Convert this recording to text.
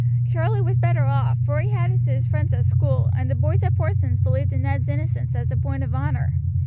Charlie was better off, for he had his friends at school, and the boys at Porson's believed in Ned's innocence as a point of honor.